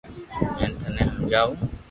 ھين ٿني ھماجاو